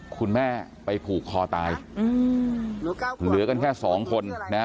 คุณแม่ไปผูกคอตายอืมเหลือกันแค่สองคนนะฮะ